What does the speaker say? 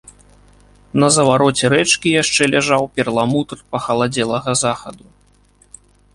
На завароце рэчкі яшчэ ляжаў перламутр пахаладзелага захаду.